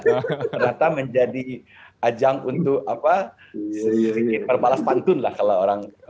ternyata menjadi ajang untuk apa sedikit perbalas pantun lah kalau orang